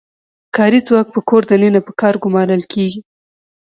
کاري ځواک په کور دننه په کار ګومارل کیږي.